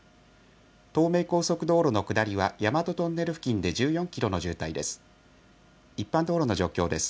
東名高速道路の下りは、大和トンネル付近で１４キロの渋滞です。